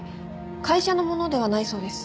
会社のものではないそうです。